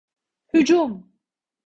Hücum!